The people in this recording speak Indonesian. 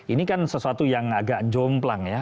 ini kan sesuatu yang agak jomplang ya